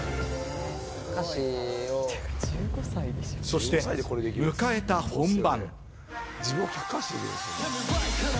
そして迎えた本番。